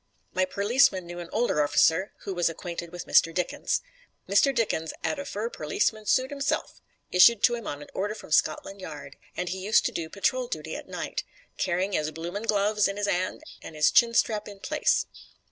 My perliceman knew an older orf'cer who was acquainted with Mr. Dickens. Mr. Dickens 'ad a full perliceman's suit 'imself, issued to 'im on an order from Scotland Yard, and he used to do patrol duty at night, carrying 'is bloomin' gloves in 'is 'and and 'is chinstrap in place.